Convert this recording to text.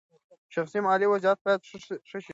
شخصي مالي وضعیت باید ښه شي.